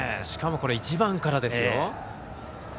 しかも次は１番からですよ。